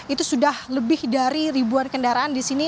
itu sudah lebih dari ribuan kendaraan di sini